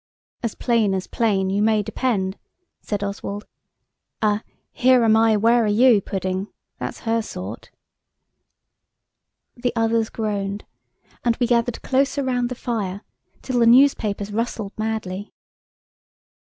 "As plain as plain, you may depend," said Oswald. "A here am I where are you pudding–that's her sort." The others groaned, and we gathered closer round the fire till the newspapers rustled madly.